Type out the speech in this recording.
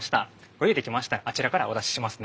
ご用意できましたらあちらからお出ししますね。